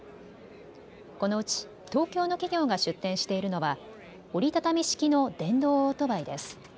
このうち、東京の企業が出展しているのは折り畳み式の電動オートバイです。